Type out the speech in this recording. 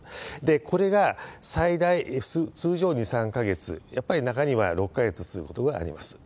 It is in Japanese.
これが最大通常２、３か月、やっぱり中には６か月続くことがあります。